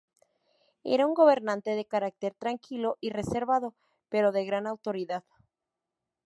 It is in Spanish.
Era un gobernante de carácter tranquilo y reservado, pero de gran autoridad.